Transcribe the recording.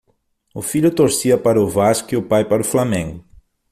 O filho torcia para o Vasco e o pai para o Flamengo